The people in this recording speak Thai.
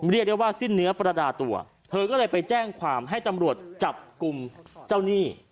เรียกได้ว่าสิ้นเนื้อประดาตัวเธอก็เลยไปแจ้งความให้ตำรวจจับกลุ่มเจ้าหนี้